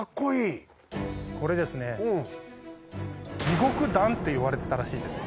これですね地獄段っていわれてたらしいです。